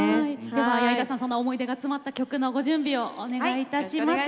では矢井田さんそんな思い出が詰まった曲のご準備をお願いいたします。